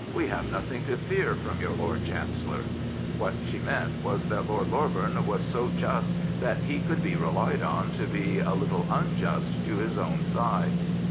We have nothing to fear from your Lord Chancellor," What she meant was that Lord Loreburn was so just that he could be relied on to be a little unjust to his own side.